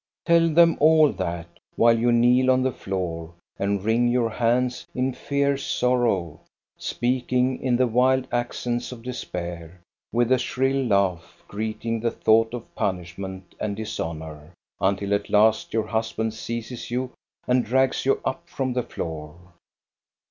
Tell them all that, while you kneel on the floor and wring your hands in fierce sorrow, speaking in the PENITENCE 273 wild accents of despair, with a shrill laugh greeting the thought of punishment and dishonor, until at last your husband seizes you and drags you up from the floor.